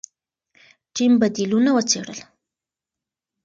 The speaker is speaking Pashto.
ټیم بدیلونه وڅېړل.